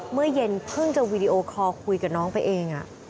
เมื่อเย็นเพิ่งจะวีดีโอคอลคุยกับน้องไปเอง